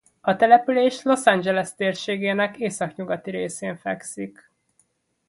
A település Los Angeles térségének északnyugati részén fekszik.